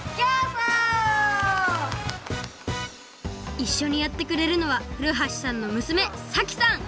いっしょにやってくれるのは古橋さんの娘咲季さん！